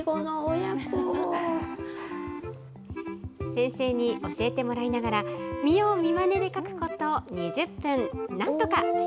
先生に教えてもらいながら、見よう見まねで描くこと２０分。